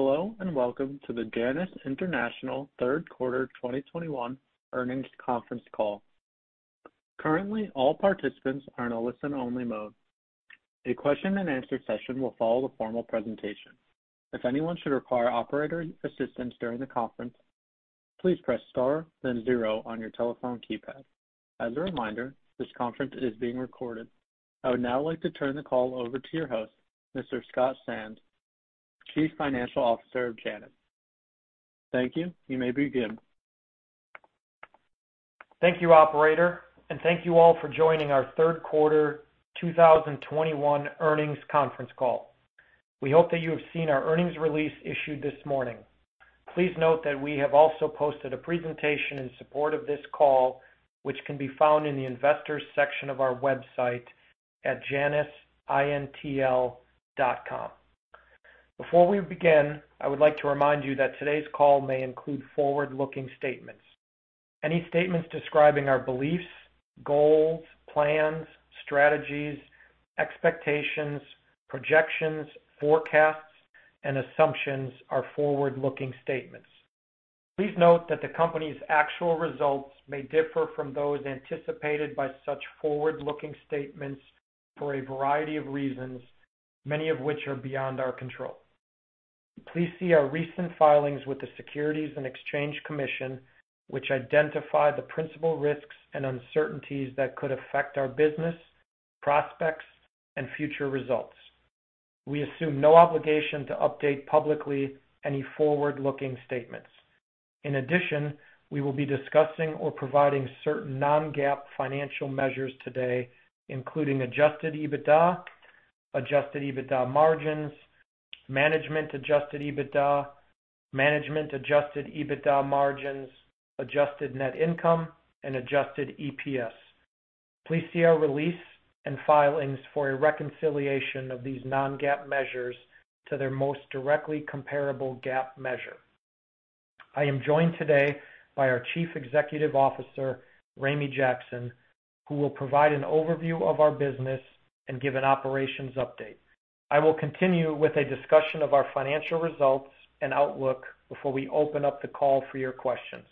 Hello, and welcome to the Janus International third quarter 2021 earnings conference call. Currently, all participants are in a listen-only mode. A question and answer session will follow the formal presentation. If anyone should require operator assistance during the conference, please press star then zero on your telephone keypad. As a reminder, this conference is being recorded. I would now like to turn the call over to your host, Mr. Scott Sannes, Chief Financial Officer of Janus. Thank you. You may begin. Thank you, operator, and thank you all for joining our third quarter 2021 earnings conference call. We hope that you have seen our earnings release issued this morning. Please note that we have also posted a presentation in support of this call, which can be found in the investors section of our website at janusintl.com. Before we begin, I would like to remind you that today's call may include forward-looking statements. Any statements describing our beliefs, goals, plans, strategies, expectations, projections, forecasts, and assumptions are forward-looking statements. Please note that the company's actual results may differ from those anticipated by such forward-looking statements for a variety of reasons, many of which are beyond our control. Please see our recent filings with the Securities and Exchange Commission, which identify the principal risks and uncertainties that could affect our business, prospects, and future results. We assume no obligation to update publicly any forward-looking statements. In addition, we will be discussing or providing certain non-GAAP financial measures today, including adjusted EBITDA, adjusted EBITDA margins, management adjusted EBITDA, management adjusted EBITDA margins, adjusted net income, and adjusted EPS. Please see our release and filings for a reconciliation of these non-GAAP measures to their most directly comparable GAAP measure. I am joined today by our Chief Executive Officer, Ramey Jackson, who will provide an overview of our business and give an operations update. I will continue with a discussion of our financial results and outlook before we open up the call for your questions.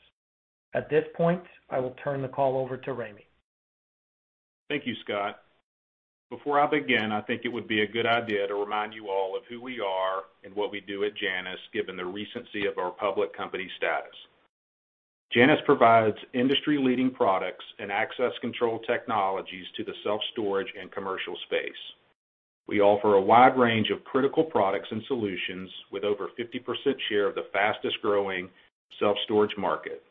At this point, I will turn the call over to Ramey. Thank you, Scott. Before I begin, I think it would be a good idea to remind you all of who we are and what we do at Janus, given the recency of our public company status. Janus provides industry-leading products and access control technologies to the self-storage and commercial space. We offer a wide range of critical products and solutions with over 50% share of the fastest-growing self-storage market.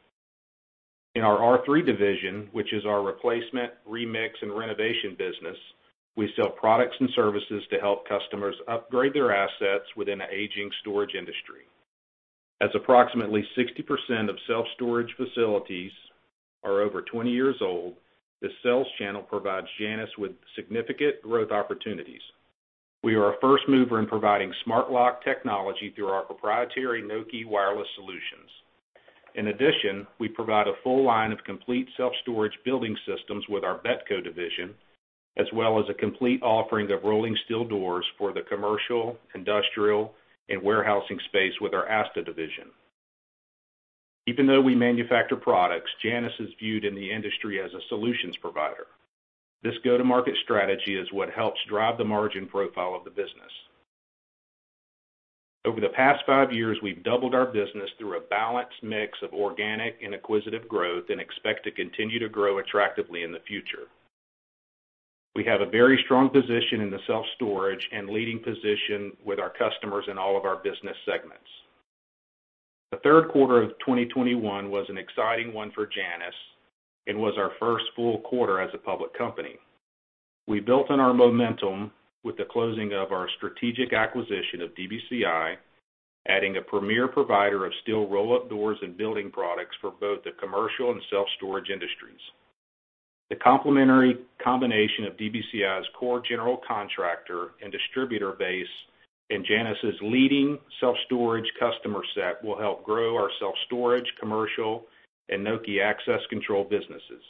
In our R3 division, which is our replacement, remix, and renovation business, we sell products and services to help customers upgrade their assets within the aging storage industry. As approximately 60% of self-storage facilities are over 20 years old, the sales channel provides Janus with significant growth opportunities. We are a first mover in providing smart lock technology through our proprietary Nokē wireless solutions. In addition, we provide a full line of complete self-storage building systems with our BETCO division, as well as a complete offering of rolling steel doors for the commercial, industrial, and warehousing space with our ASTA division. Even though we manufacture products, Janus is viewed in the industry as a solutions provider. This go-to-market strategy is what helps drive the margin profile of the business. Over the past five years, we've doubled our business through a balanced mix of organic and acquisitive growth and expect to continue to grow attractively in the future. We have a very strong position in the self-storage and leading position with our customers in all of our business segments. The third quarter of 2021 was an exciting one for Janus and was our first full quarter as a public company. We built on our momentum with the closing of our strategic acquisition of DBCI, adding a premier provider of steel roll-up doors and building products for both the commercial and self-storage industries. The complementary combination of DBCI's core general contractor and distributor base and Janus' leading self-storage customer set will help grow our self-storage, commercial, and Nokē access control businesses.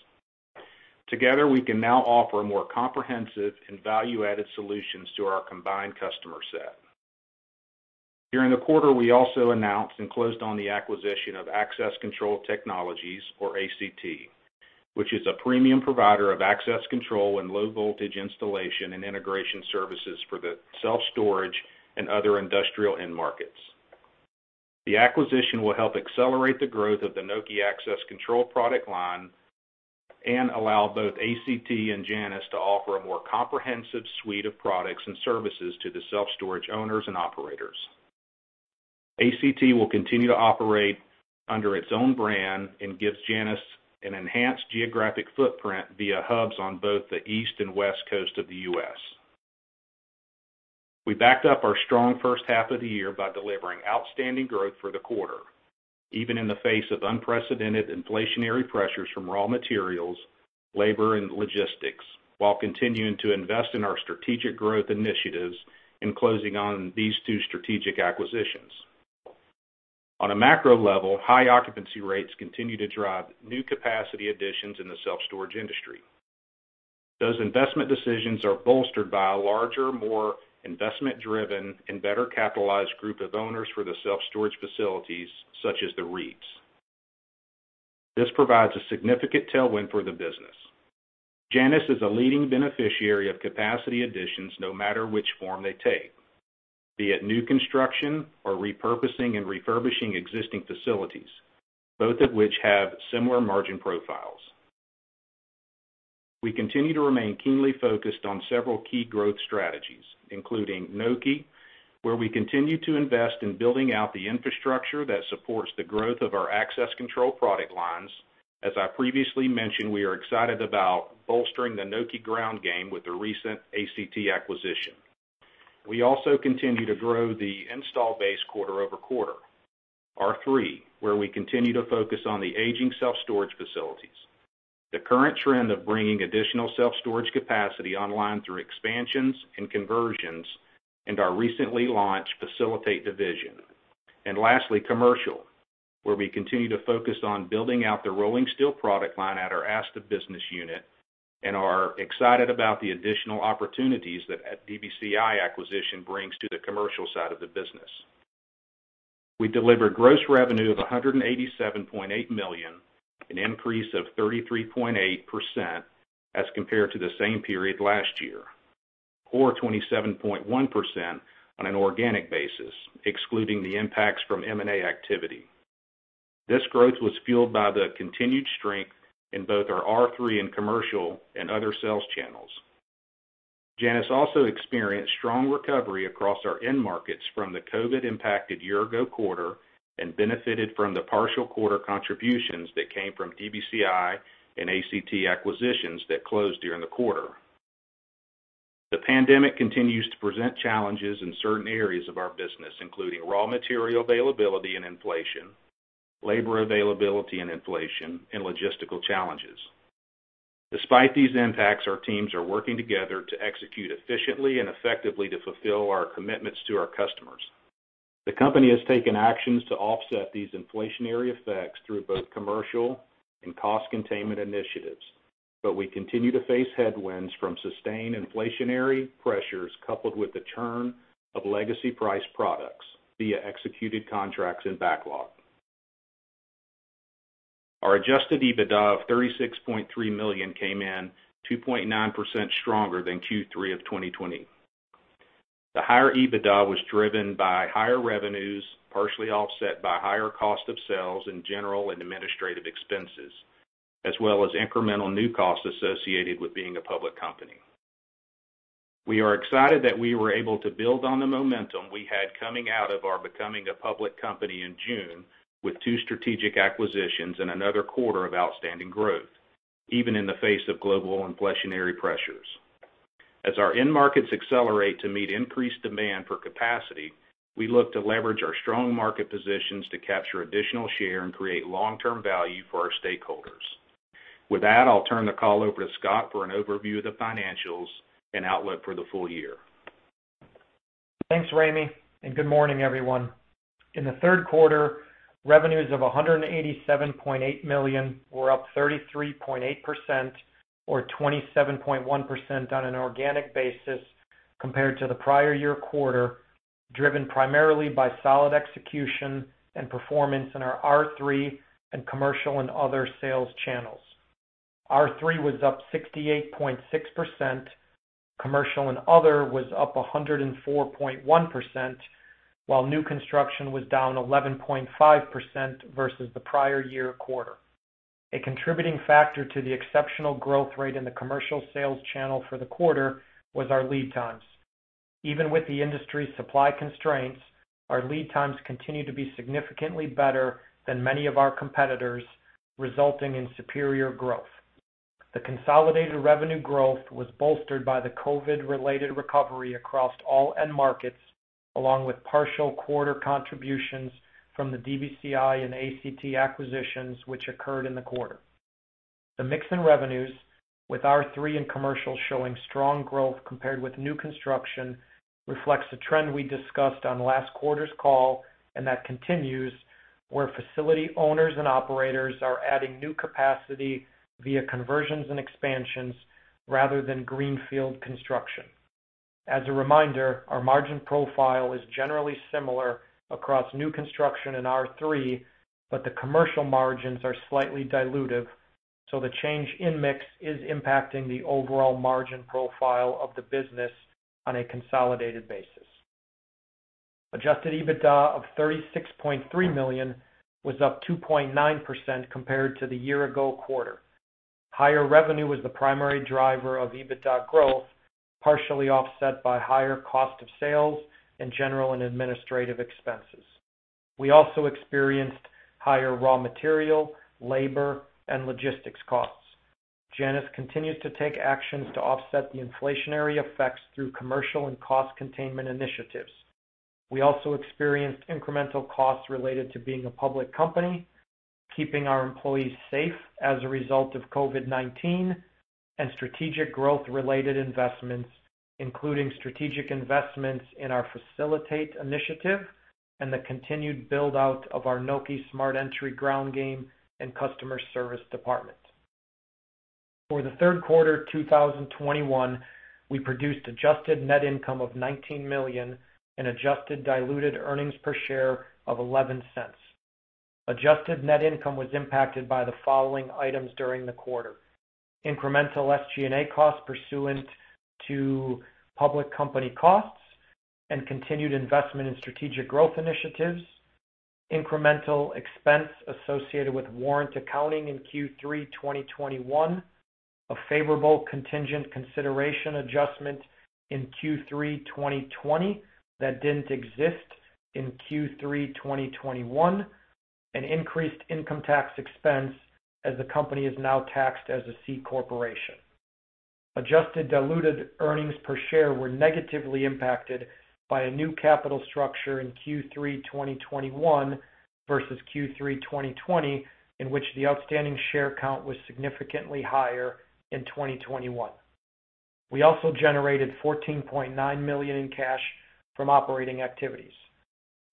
Together, we can now offer more comprehensive and value-added solutions to our combined customer set. During the quarter, we also announced and closed on the acquisition of Access Control Technologies, or ACT, which is a premium provider of access control and low voltage installation and integration services for the self-storage and other industrial end markets. The acquisition will help accelerate the growth of the Nokē access control product line and allow both ACT and Janus to offer a more comprehensive suite of products and services to the self-storage owners and operators. ACT will continue to operate under its own brand and gives Janus an enhanced geographic footprint via hubs on both the East and West Coast of the U.S. We backed up our strong first half of the year by delivering outstanding growth for the quarter, even in the face of unprecedented inflationary pressures from raw materials, labor, and logistics, while continuing to invest in our strategic growth initiatives and closing on these two strategic acquisitions. On a macro level, high occupancy rates continue to drive new capacity additions in the self-storage industry. Those investment decisions are bolstered by a larger, more investment driven and better capitalized group of owners for the self-storage facilities such as the REITs. This provides a significant tailwind for the business. Janus is a leading beneficiary of capacity additions, no matter which form they take, be it new construction or repurposing and refurbishing existing facilities, both of which have similar margin profiles. We continue to remain keenly focused on several key growth strategies, including Nokē, where we continue to invest in building out the infrastructure that supports the growth of our access control product lines. As I previously mentioned, we are excited about bolstering the Nokē ground game with the recent ACT acquisition. We also continue to grow the install base quarter-over-quarter. R3, where we continue to focus on the aging self-storage facilities, the current trend of bringing additional self-storage capacity online through expansions and conversions, and our recently launched Facilitate division. Lastly, commercial, where we continue to focus on building out the rolling steel product line at our ASTA business unit and are excited about the additional opportunities that DBCI acquisition brings to the commercial side of the business. We delivered gross revenue of $187.8 million, an increase of 33.8% as compared to the same period last year, or 27.1% on an organic basis, excluding the impacts from M&A activity. This growth was fueled by the continued strength in both our R3 and commercial and other sales channels. Janus also experienced strong recovery across our end markets from the COVID-19 impacted year ago quarter and benefited from the partial quarter contributions that came from DBCI and ACT acquisitions that closed during the quarter. The pandemic continues to present challenges in certain areas of our business, including raw material availability and inflation, labor availability and inflation, and logistical challenges. Despite these impacts, our teams are working together to execute efficiently and effectively to fulfill our commitments to our customers. The company has taken actions to offset these inflationary effects through both commercial and cost containment initiatives. We continue to face headwinds from sustained inflationary pressures, coupled with the churn of legacy price products via executed contracts and backlog. Our adjusted EBITDA of $36.3 million came in 2.9% stronger than Q3 of 2020. The higher EBITDA was driven by higher revenues, partially offset by higher cost of sales and general and administrative expenses, as well as incremental new costs associated with being a public company. We are excited that we were able to build on the momentum we had coming out of our becoming a public company in June with two strategic acquisitions and another quarter of outstanding growth, even in the face of global inflationary pressures. As our end markets accelerate to meet increased demand for capacity, we look to leverage our strong market positions to capture additional share and create long-term value for our stakeholders. With that, I'll turn the call over to Scott for an overview of the financials and outlook for the full year. Thanks, Ramey, and good morning, everyone. In the third quarter, revenues of $187.8 million were up 33.8% or 27.1% on an organic basis compared to the prior year quarter, driven primarily by solid execution and performance in our R3 and commercial and other sales channels. R3 was up 68.6%, commercial and other was up 104.1%, while new construction was down 11.5% versus the prior year quarter. A contributing factor to the exceptional growth rate in the commercial sales channel for the quarter was our lead times. Even with the industry's supply constraints, our lead times continue to be significantly better than many of our competitors, resulting in superior growth. The consolidated revenue growth was bolstered by the COVID-19-related recovery across all end markets, along with partial quarter contributions from the DBCI and ACT acquisitions which occurred in the quarter. The mix in revenues with R3 and commercial showing strong growth compared with new construction reflects a trend we discussed on last quarter's call and that continues, where facility owners and operators are adding new capacity via conversions and expansions rather than greenfield construction. As a reminder, our margin profile is generally similar across new construction in R3, but the commercial margins are slightly dilutive, so the change in mix is impacting the overall margin profile of the business on a consolidated basis. Adjusted EBITDA of $36.3 million was up 2.9% compared to the year-ago quarter. Higher revenue was the primary driver of EBITDA growth, partially offset by higher cost of sales and general and administrative expenses. We also experienced higher raw material, labor, and logistics costs. Janus continues to take actions to offset the inflationary effects through commercial and cost containment initiatives. We also experienced incremental costs related to being a public company, keeping our employees safe as a result of COVID-19, and strategic growth-related investments, including strategic investments in our Facilitate initiative and the continued build-out of our Nokē Smart Entry ground game and customer service department. For the third quarter 2021, we produced adjusted net income of $19 million and adjusted diluted earnings per share of $0.11. Adjusted net income was impacted by the following items during the quarter, incremental SG&A costs pursuant to public company costs and continued investment in strategic growth initiatives, and incremental expense associated with warrant accounting in Q3 2021. A favorable contingent consideration adjustment in Q3 2020 that didn't exist in Q3 2021. An increased income tax expense as the company is now taxed as a C corporation. Adjusted diluted earnings per share were negatively impacted by a new capital structure in Q3 2021 versus Q3 2020, in which the outstanding share count was significantly higher in 2021. We also generated $14.9 million in cash from operating activities.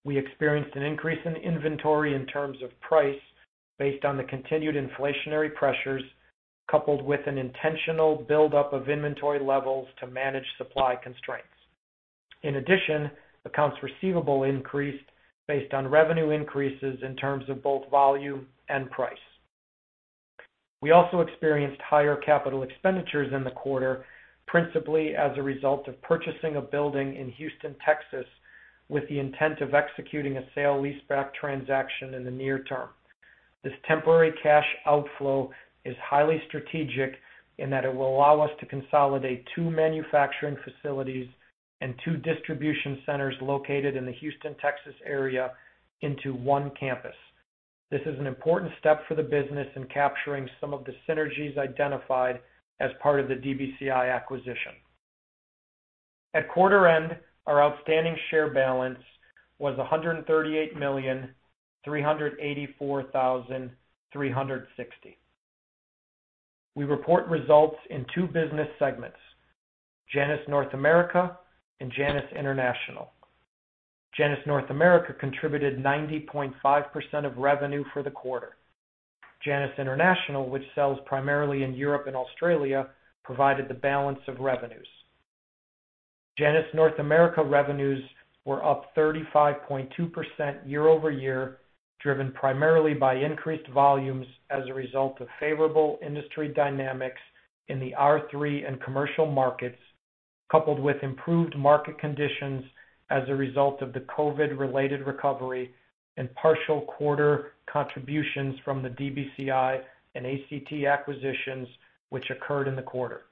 We experienced an increase in inventory in terms of price based on the continued inflationary pressures, coupled with an intentional buildup of inventory levels to manage supply constraints. In addition, accounts receivable increased based on revenue increases in terms of both volume and price. We also experienced higher capital expenditures in the quarter, principally as a result of purchasing a building in Houston, Texas, with the intent of executing a sale leaseback transaction in the near term. This temporary cash outflow is highly strategic in that it will allow us to consolidate two manufacturing facilities and two distribution centers located in the Houston, Texas area into one campus. This is an important step for the business in capturing some of the synergies identified as part of the DBCI acquisition. At quarter end, our outstanding share balance was 138,384,360. We report results in two business segments, Janus North America and Janus International. Janus North America contributed 90.5% of revenue for the quarter. Janus International, which sells primarily in Europe and Australia, provided the balance of revenues. Janus North America revenues were up 35.2% year-over-year, driven primarily by increased volumes as a result of favorable industry dynamics in the R3 and commercial markets, coupled with improved market conditions as a result of the COVID-related recovery and partial quarter contributions from the DBCI and ACT acquisitions which occurred in the quarter.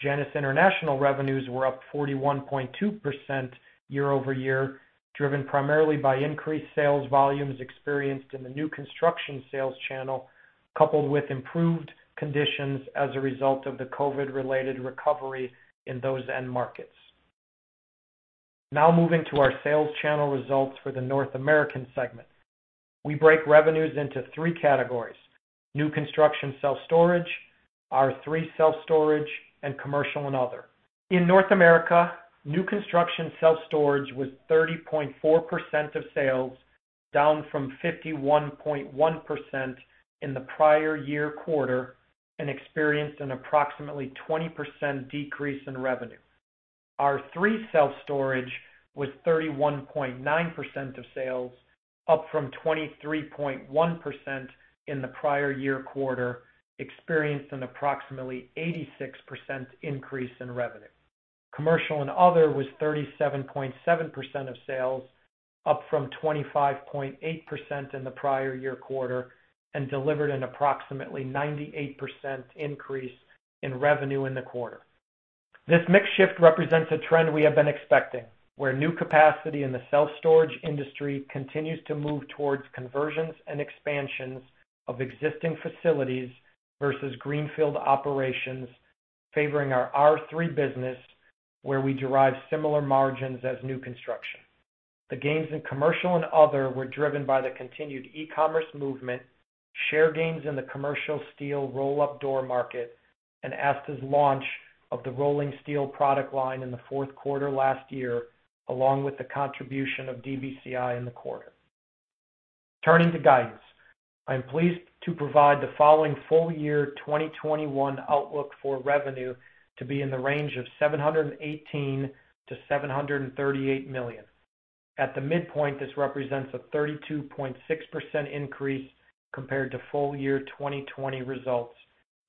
Janus International revenues were up 41.2% year-over-year, driven primarily by increased sales volumes experienced in the new construction sales channel, coupled with improved conditions as a result of the COVID-related recovery in those end markets. Now moving to our sales channel results for the North American segment. We break revenues into three categories: new construction self-storage, R3 self-storage, and commercial and other. In North America, new construction self-storage was 30.4% of sales, down from 51.1% in the prior year quarter, and experienced an approximately 20% decrease in revenue. R3 self-storage was 31.9% of sales, up from 23.1% in the prior year quarter, experienced an approximately 86% increase in revenue. Commercial and other was 37.7% of sales, up from 25.8% in the prior year quarter, and delivered an approximately 98% increase in revenue in the quarter. This mix shift represents a trend we have been expecting, where new capacity in the self-storage industry continues to move towards conversions and expansions of existing facilities versus greenfield operations favoring our R3 business, where we derive similar margins as new construction. The gains in commercial and other were driven by the continued e-commerce movement, share gains in the commercial steel roll-up door market, and ASTA's launch of the rolling steel product line in the fourth quarter last year, along with the contribution of DBCI in the quarter. Turning to guidance. I am pleased to provide the following full year 2021 outlook for revenue to be in the range of $718 million-$738 million. At the midpoint, this represents a 32.6% increase compared to full year 2020 results,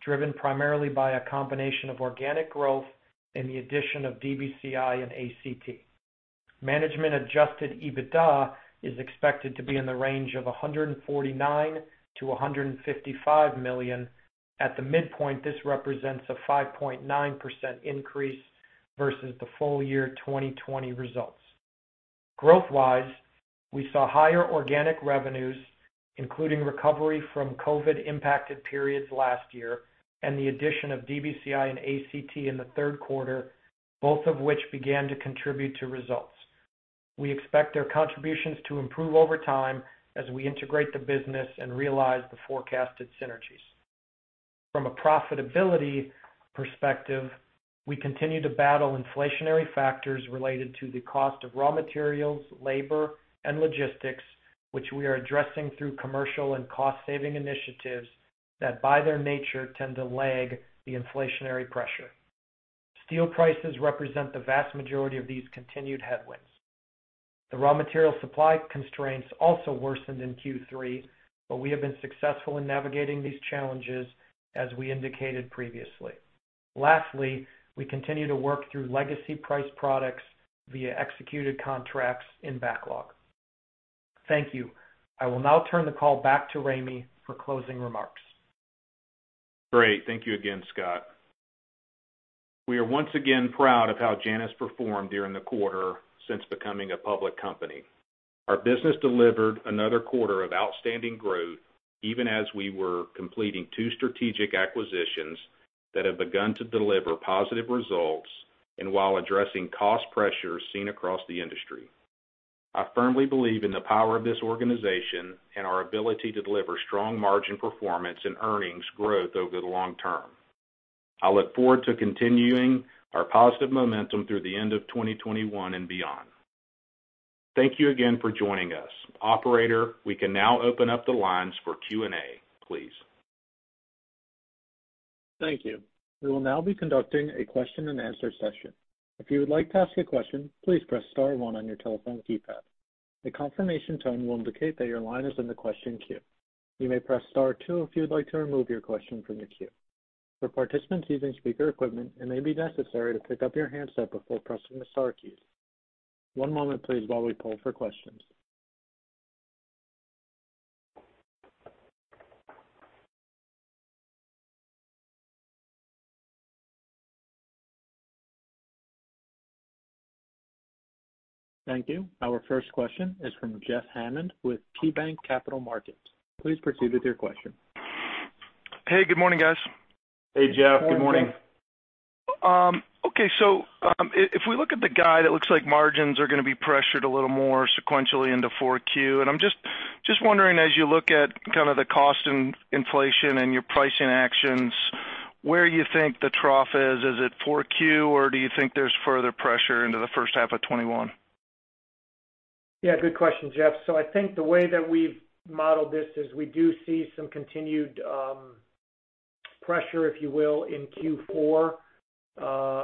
driven primarily by a combination of organic growth and the addition of DBCI and ACT. Management adjusted EBITDA is expected to be in the range of $149 million-$155 million. At the midpoint, this represents a 5.9% increase versus the full year 2020 results. Growth wise, we saw higher organic revenues, including recovery from COVID-19 impacted periods last year and the addition of DBCI and ACT in the third quarter, both of which began to contribute to results. We expect their contributions to improve over time as we integrate the business and realize the forecasted synergies. From a profitability perspective, we continue to battle inflationary factors related to the cost of raw materials, labor and logistics, which we are addressing through commercial and cost-saving initiatives that by their nature tend to lag the inflationary pressure. Steel prices represent the vast majority of these continued headwinds. The raw material supply constraints also worsened in Q3, but we have been successful in navigating these challenges as we indicated previously. Lastly, we continue to work through legacy price products via executed contracts in backlog. Thank you. I will now turn the call back to Ramey for closing remarks. Great. Thank you again, Scott. We are once again proud of how Janus performed during the quarter since becoming a public company. Our business delivered another quarter of outstanding growth even as we were completing two strategic acquisitions that have begun to deliver positive results and while addressing cost pressures seen across the industry. I firmly believe in the power of this organization and our ability to deliver strong margin performance and earnings growth over the long term. I look forward to continuing our positive momentum through the end of 2021 and beyond. Thank you again for joining us. Operator, we can now open up the lines for Q&A, please. Thank you. We will now be conducting a question and answer session. If you would like to ask a question, please press star one on your telephone keypad. The confirmation tone will indicate that your line is in the question queue. You may press star two if you would like to remove your question from the queue. For participants using speaker equipment, it may be necessary to pick up your handset before pressing the star keys. One moment please while we poll for questions. Thank you. Our first question is from Jeff Hammond with KeyBanc Capital Markets. Please proceed with your question. Hey, good morning, guys. Hey, Jeff. Good morning. Morning, Jeff. If we look at the guide, it looks like margins are gonna be pressured a little more sequentially into Q4. I'm just wondering, as you look at kind of the cost and inflation and your pricing actions, where you think the trough is. Is it Q4 or do you think there's further pressure into the first half of 2021? Yeah, good question, Jeff. I think the way that we've modeled this is we do see some continued pressure, if you will, in Q4.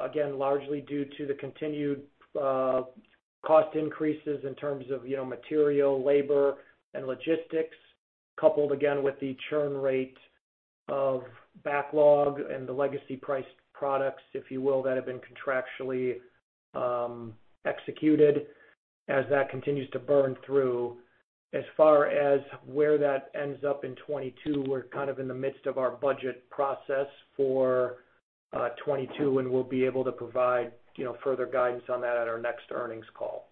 Again, largely due to the continued cost increases in terms of, you know, material, labor and logistics, coupled again with the churn rate of backlog and the legacy priced products, if you will, that have been contractually executed as that continues to burn through. As far as where that ends up in 2022, we're kind of in the midst of our budget process for 2022, and we'll be able to provide, you know, further guidance on that at our next earnings call.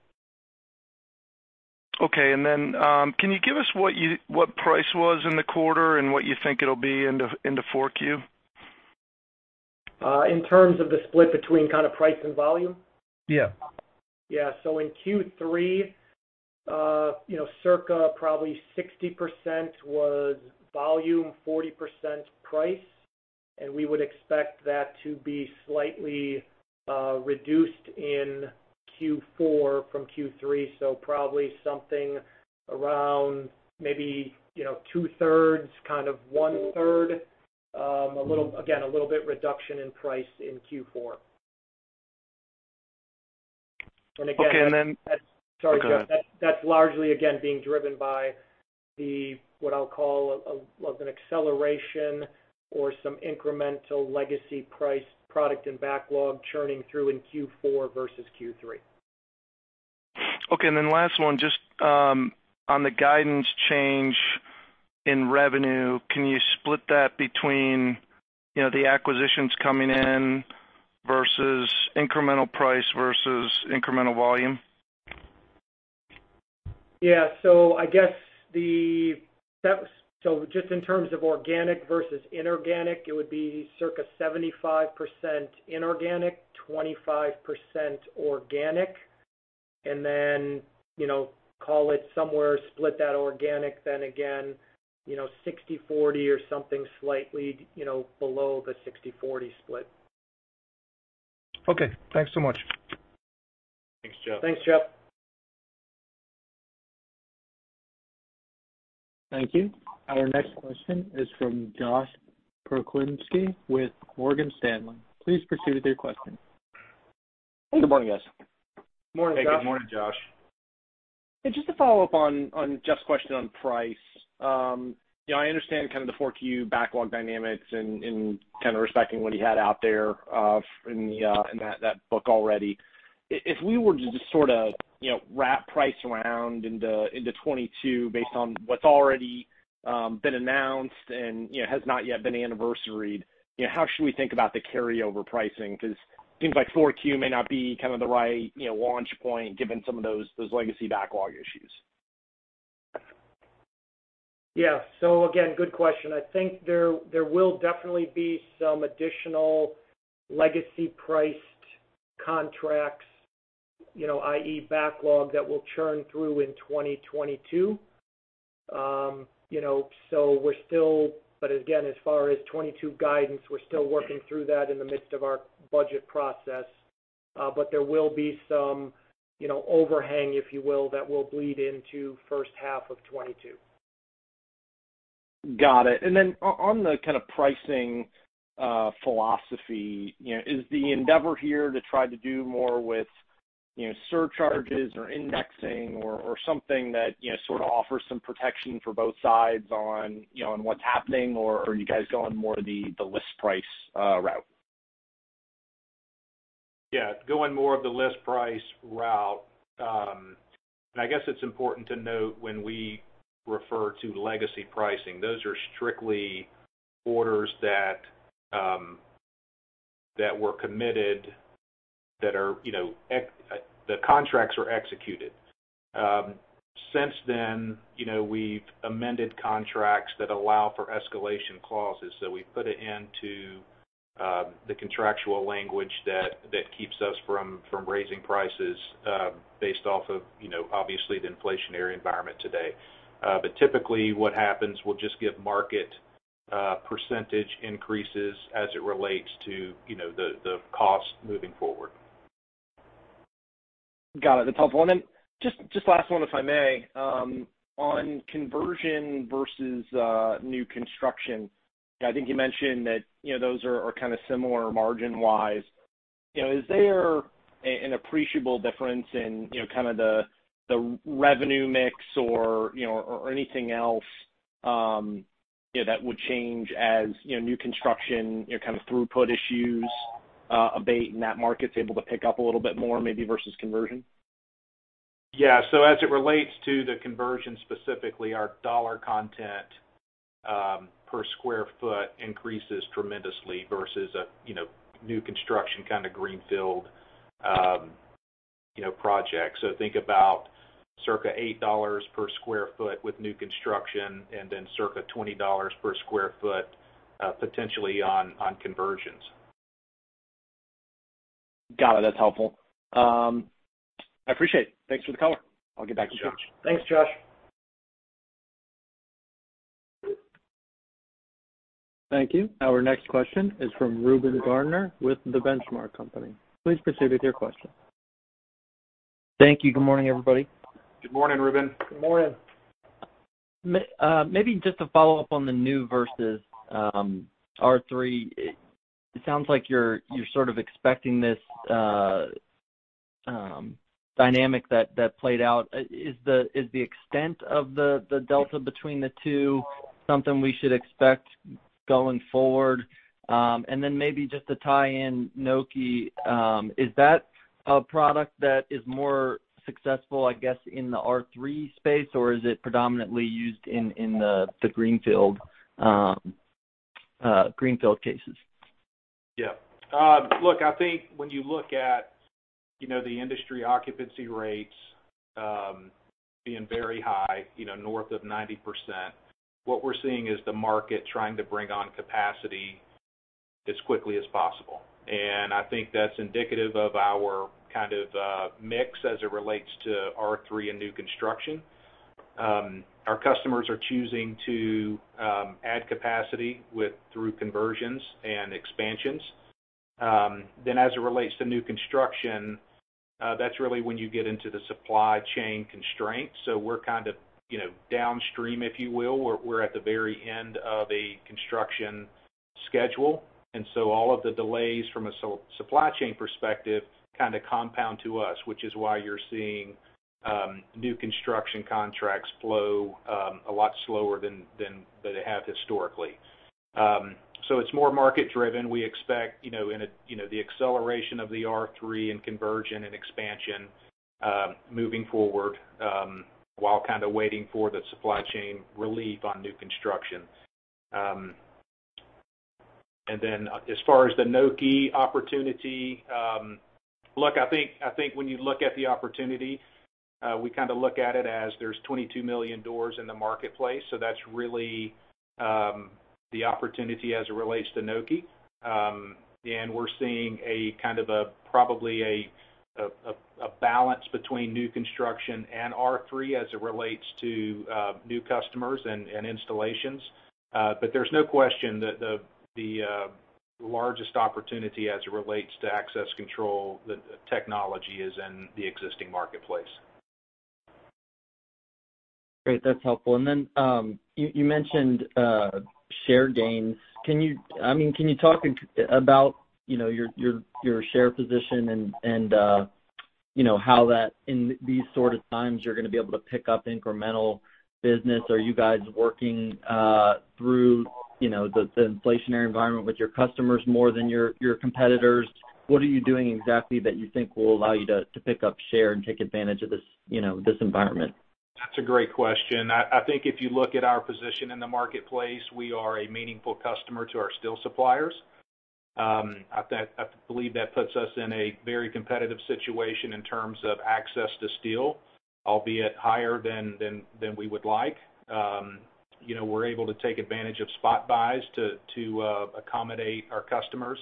Okay. Can you give us what price was in the quarter and what you think it'll be into four Q? In terms of the split between kinda price and volume? Yeah. In Q3, you know, circa probably 60% was volume, 40% price. We would expect that to be slightly reduced in Q4 from Q3, so probably something around maybe, you know, 2/3, kind of 1/3. A little, again, a little bit reduction in price in Q4. Okay. Sorry, Jeff. Go ahead. That's largely again being driven by what I'll call a like an acceleration or some incremental legacy price product and backlog churning through in Q4 versus Q3. Okay. Last one, just, on the guidance change in revenue, can you split that between, you know, the acquisitions coming in versus incremental price versus incremental volume? Yeah. I guess just in terms of organic versus inorganic, it would be circa 75% inorganic, 25% organic. Then, you know, call it somewhere, split that organic then again, you know, 60/40 or something slightly, you know, below the 60/40 split. Okay, thanks so much. Thanks, Jeff. Thanks, Jeff. Thank you. Our next question is from Josh Pokrzywinski with Morgan Stanley. Please proceed with your question. Hey, good morning, guys. Morning, Josh. Hey, good morning, Josh. Just to follow up on Jeff's question on price. You know, I understand kind of the 4Q backlog dynamics and kind of respecting what he had out there in that book already. If we were to just sorta you know, wrap price around into 2022 based on what's already been announced and you know, has not yet been anniversaried, you know, how should we think about the carryover pricing? 'Cause things like 4Q may not be kind of the right you know, launch point given some of those legacy backlog issues. Yeah. Again, good question. I think there will definitely be some additional legacy price Contracts, you know, i.e., backlog that will churn through in 2022. You know, again, as far as 2022 guidance, we're still working through that in the midst of our budget process. There will be some, you know, overhang, if you will, that will bleed into first half of 2022. Got it. On the kind of pricing philosophy, you know, is the endeavor here to try to do more with, you know, surcharges or indexing or something that, you know, sort of offers some protection for both sides on, you know, on what's happening? Or are you guys going more the list price route? Yeah, going more of the list price route. I guess it's important to note when we refer to legacy pricing, those are strictly orders that were committed that are, you know, except the contracts were executed. Since then, you know, we've amended contracts that allow for escalation clauses. We put it into the contractual language that keeps us from raising prices based off of, you know, obviously, the inflationary environment today. Typically what happens, we'll just give market percentage increases as it relates to, you know, the cost moving forward. Got it. That's helpful. Just last one, if I may. On conversion versus new construction, I think you mentioned that, you know, those are kind of similar margin wise. You know, is there an appreciable difference in, you know, kind of the revenue mix or, you know, or anything else, you know, that would change as, you know, new construction, you know, kind of throughput issues abate and that market's able to pick up a little bit more maybe versus conversion? Yeah. As it relates to the conversion, specifically, our dollar content per square foot increases tremendously versus a, you know, new construction kind of greenfield, you know, project. Think about circa $8 per square foot with new construction and then circa $20 per square foot potentially on conversions. Got it. That's helpful. I appreciate it. Thanks for the color. I'll get back in touch. Thanks, Josh. Thank you. Our next question is from Reuben Garner with The Benchmark Company. Please proceed with your question. Thank you. Good morning, everybody. Good morning, Reuben. Good morning. Maybe just to follow up on the new versus R3. It sounds like you're sort of expecting this dynamic that played out. Is the extent of the delta between the two something we should expect going forward? Maybe just to tie in Nokē, is that a product that is more successful, I guess, in the R3 space, or is it predominantly used in the greenfield cases? Yeah. Look, I think when you look at, you know, the industry occupancy rates being very high, you know, north of 90%, what we're seeing is the market trying to bring on capacity as quickly as possible. I think that's indicative of our kind of mix as it relates to R3 and new construction. Our customers are choosing to add capacity through conversions and expansions. As it relates to new construction, that's really when you get into the supply chain constraints. We're kind of, you know, downstream, if you will. We're at the very end of a construction schedule, and all of the delays from a supply chain perspective kind of compound to us, which is why you're seeing new construction contracts flow a lot slower than they have historically. It's more market driven. We expect, you know, the acceleration of the R3 and conversion and expansion, moving forward, while kind of waiting for the supply chain relief on new construction. As far as the Nokē opportunity, look, I think when you look at the opportunity, we kind of look at it as there's 22 million doors in the marketplace. That's really the opportunity as it relates to Nokē. We're seeing a kind of a probably a balance between new construction and R3 as it relates to new customers and installations. There's no question that the largest opportunity as it relates to access control, the technology is in the existing marketplace. Great. That's helpful. You mentioned share gains. I mean, can you talk about you know your share position and you know how that in these sort of times you're gonna be able to pick up incremental business? Are you guys working through you know the inflationary environment with your customers more than your competitors? What are you doing exactly that you think will allow you to pick up share and take advantage of this you know this environment? That's a great question. I think if you look at our position in the marketplace, we are a meaningful customer to our steel suppliers. I believe that puts us in a very competitive situation in terms of access to steel. Albeit higher than we would like. You know, we're able to take advantage of spot buys to accommodate our customers.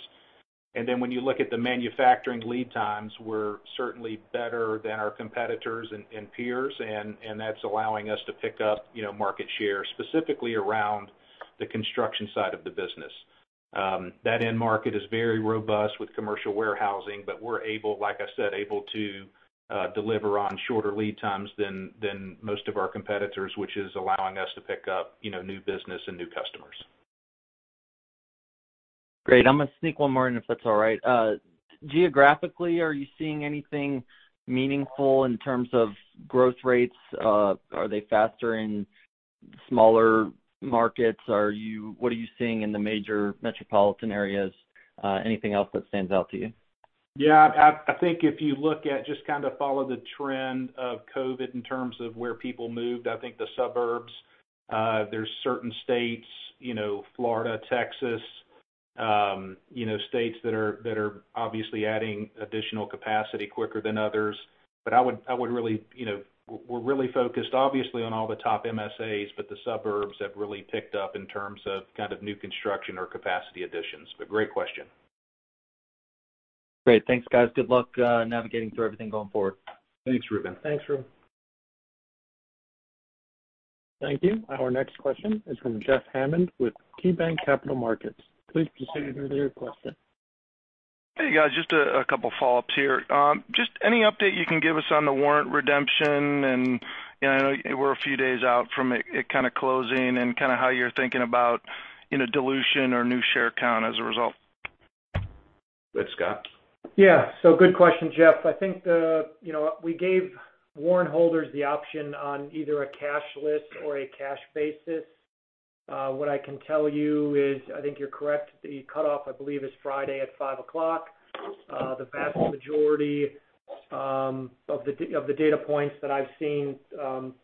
Then when you look at the manufacturing lead times, we're certainly better than our competitors and peers, and that's allowing us to pick up, you know, market share, specifically around the construction side of the business. That end market is very robust with commercial warehousing, but we're able, like I said, to deliver on shorter lead times than most of our competitors, which is allowing us to pick up, you know, new business and new customers. Great. I'm gonna sneak one more in, if that's all right. Geographically, are you seeing anything meaningful in terms of growth rates? Are they faster in smaller markets? What are you seeing in the major metropolitan areas? Anything else that stands out to you? Yeah. I think if you look at just kind of follow the trend of COVID in terms of where people moved, I think the suburbs, there's certain states, you know, Florida, Texas, you know, states that are obviously adding additional capacity quicker than others. I would really- you know, we're really focused obviously on all the top MSAs, but the suburbs have really picked up in terms of kind of new construction or capacity additions. Great question. Great. Thanks, guys. Good luck, navigating through everything going forward. Thanks, Reuben. Thanks, Reuben. Thank you. Our next question is from Jeff Hammond with KeyBanc Capital Markets. Please proceed with your question. Hey, guys. Just a couple follow-ups here. Just any update you can give us on the warrant redemption and, you know, I know we're a few days out from it closing and kinda how you're thinking about, you know, dilution or new share count as a result. Go ahead, Scott. Yeah. Good question, Jeff. I think the, you know, we gave warrant holders the option on either a cashless or a cash basis. What I can tell you is, I think you're correct. The cutoff, I believe, is Friday at five o'clock. The vast majority of the data points that I've seen,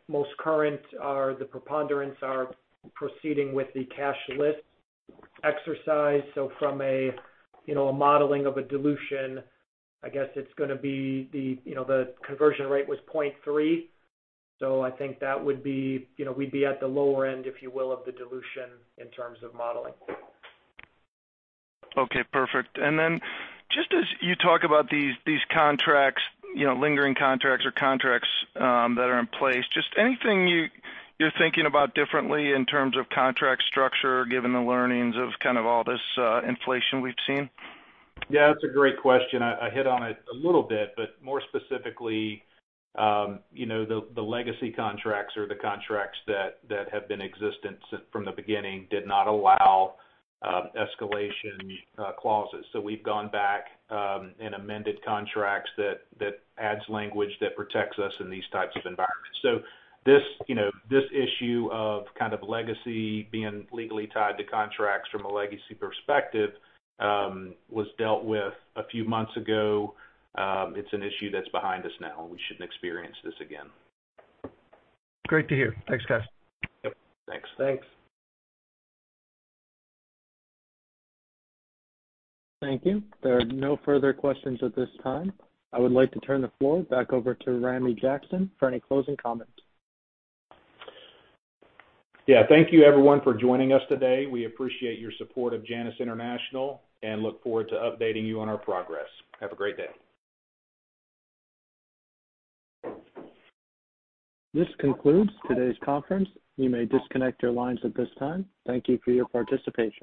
most current are the preponderance proceeding with the cashless exercise. From a, you know, a modeling of a dilution, I guess it's gonna be the, you know, the conversion rate was 0.3, so I think that would be, you know, we'd be at the lower end, if you will, of the dilution in terms of modeling. Okay, perfect. Just as you talk about these contracts, you know, lingering contracts or contracts that are in place, just anything you're thinking about differently in terms of contract structure, given the learnings of kind of all this inflation we've seen? Yeah, that's a great question. I hit on it a little bit, but more specifically, you know, the legacy contracts or the contracts that have been in existence since from the beginning did not allow escalation clauses. We've gone back and amended contracts that adds language that protects us in these types of environments. This, you know, this issue of kind of legacy being legally tied to contracts from a legacy perspective was dealt with a few months ago. It's an issue that's behind us now, and we shouldn't experience this again. Great to hear. Thanks, guys. Yep. Thanks. Thanks. Thank you. There are no further questions at this time. I would like to turn the floor back over to Ramey Jackson for any closing comments. Yeah. Thank you everyone for joining us today. We appreciate your support of Janus International, and look forward to updating you on our progress. Have a great day. This concludes today's conference. You may disconnect your lines at this time. Thank you for your participation.